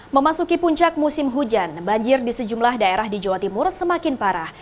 memasuki puncak musim hujan banjir di sejumlah daerah di jawa timur semakin parah